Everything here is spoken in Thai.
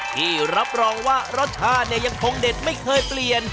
ที่รับรองว่ารสชาติเนี่ยยังคงเด็ดไม่เคยเปลี่ยน